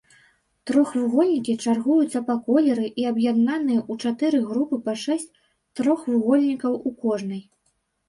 Трохвугольнікі чаргуюцца па колеры і аб'яднаныя ў чатыры групы па шэсць трохвугольнікаў у кожнай.